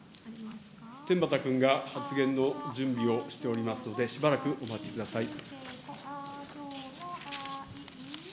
天畠君が発言の準備をしておりますので、しばらくお待ちください。